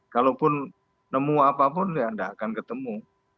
kalau pun nemu apapun ya tidak akan ketemu